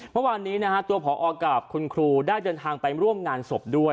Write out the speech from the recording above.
เมื่อวานนี้นะฮะตัวผอกับคุณครูได้เดินทางไปร่วมงานศพด้วย